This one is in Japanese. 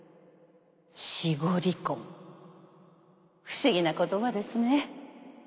不思議な言葉ですね。